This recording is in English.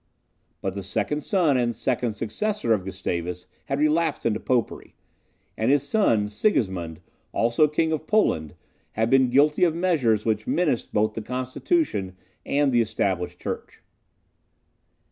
But the second son and second successor of Gustavus had relapsed into popery, and his son Sigismund, also king of Poland, had been guilty of measures which menaced both the constitution and the established church.